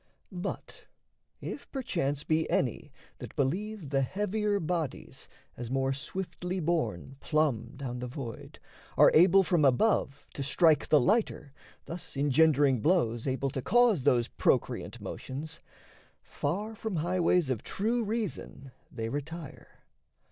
But, if perchance be any that believe The heavier bodies, as more swiftly borne Plumb down the void, are able from above To strike the lighter, thus engendering blows Able to cause those procreant motions, far From highways of true reason they retire.